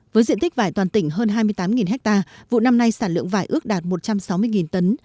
với diện tích vải toàn tỉnh hơn hai mươi tám ha vụ năm nay sản lượng vải ước đạt một trăm sáu mươi tấn